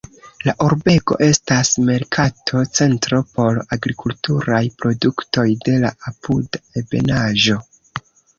La urbego estas merkato-centro por agrikulturaj produktoj de la apuda ebenaĵo.